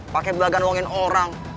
pake belagan uangin orang